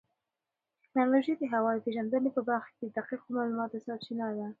ټیکنالوژي د هوا پېژندنې په برخه کې د دقیقو معلوماتو سرچینه ده.